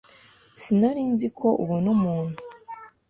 Sinari nzi ko ubona umuntu.